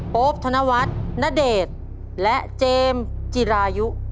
โป๊บธนวัฒน์ณเดชน์และเจมส์จิรายุ